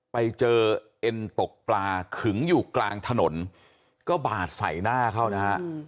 ไปเจอเอ็นตกปลาขึงอยู่กลางถนนก็บาดใส่หน้าเขานะฮะ